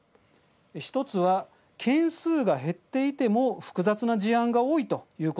１つは件数が減っていても複雑な事案が多いということです。